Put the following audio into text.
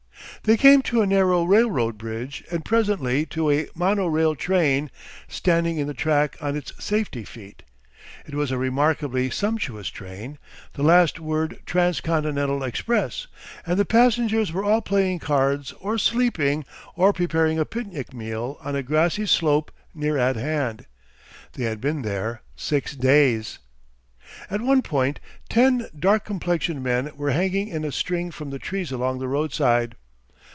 They came to a narrow railroad bridge and presently to a mono rail train standing in the track on its safety feet. It was a remarkably sumptuous train, the Last Word Trans Continental Express, and the passengers were all playing cards or sleeping or preparing a picnic meal on a grassy slope near at hand. They had been there six days.... At one point ten dark complexioned men were hanging in a string from the trees along the roadside.